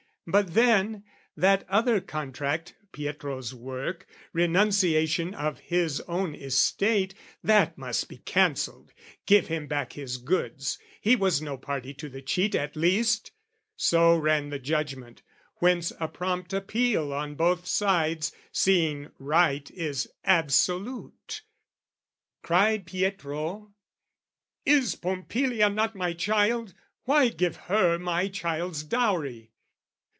But then, that other contract, Pietro's work, Renunciation of his own estate, That must be cancelled give him back his goods, He was no party to the cheat at least! So ran the judgment: whence a prompt appeal On both sides, seeing right is absolute. Cried Pietro, "Is Pompilia not my child? "Why give her my child's dowry?"